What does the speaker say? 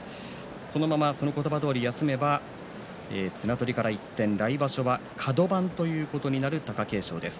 このまま、その言葉どおり休めば綱取りから一転来場所はカド番ということになる貴景勝です。